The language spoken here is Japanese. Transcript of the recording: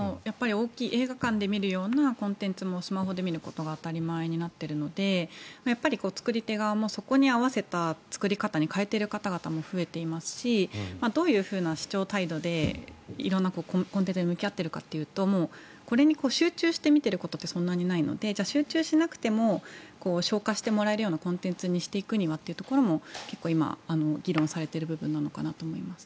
大きい映画館で見るようなコンテンツもスマホで見ることが当たり前になっているので作り手側もそこに合わせた作り方に変えている方も増えていますしどういう視聴態度で色んなコンテンツに向き合っているかというともうこれに集中して見ていることってそんなにないので集中しなくても消化してもらえるコンテンツにしていくにはというのも結構、議論されている部分なのかと思います。